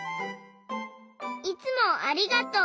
いつもありがとう。